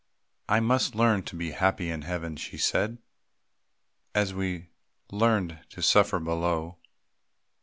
"I must learn to be happy in Heaven," she said, "As we learned to suffer below."